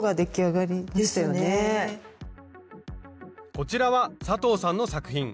こちらは佐藤さんの作品。